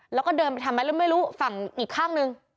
แล้วก็เดินไปทำไมแล้วไม่รู้ฝั่งอีกข้างนึง